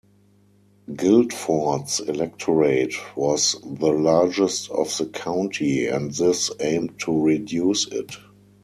Guildford's electorate was the largest of the county and this aimed to reduce it.